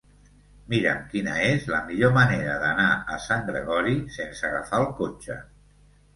Mira'm quina és la millor manera d'anar a Sant Gregori sense agafar el cotxe.